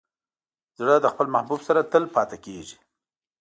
زړه د خپل محبوب سره تل پاتې کېږي.